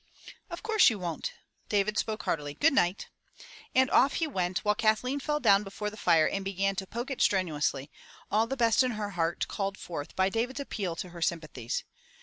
"Of course you won't," David spoke heartily. "Good night!" And off he went while Kathleen fell down before the fire and began to poke it strenuously, all the best in her heart called forth by David's appeal to her sympathies.